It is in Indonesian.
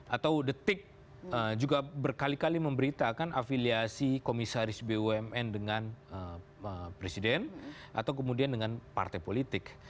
atau detik juga berkali kali memberitakan afiliasi komisaris bumn dengan presiden atau kemudian dengan partai politik